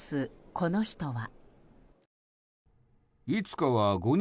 この人は。